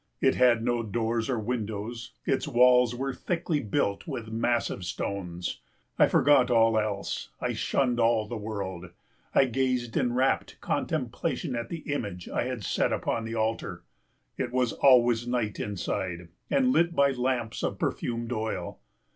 It had no doors or windows, its walls were thickly built with massive stones. I forgot all else, I shunned all the world, I gazed in rapt contemplation at the image I had set upon the altar. It was always night inside, and lit by the lamps of perfumed oil.